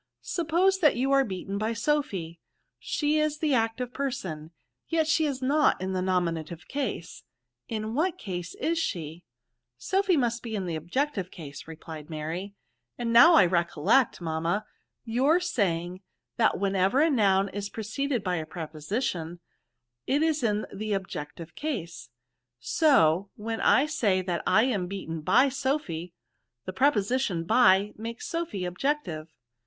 Suppose that you are beaten by Sophy, she is the active person, yet she is not in the nominative case — in what case is she?" " Sophy must be in the objective case," replied Mary ;" and now I recollect, mam<f ma, your saying, that whenever a noun is preceded by a preposition, it is in the ob jective case. So, when I say that I am beaten hy Sophy, the preposition by make^ Sophy objective."